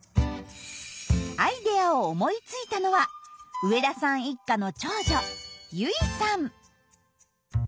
アイデアを思いついたのは植田さん一家の長女結衣さん。